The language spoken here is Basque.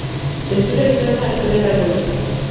Zentsura izan da aste honetako hitza.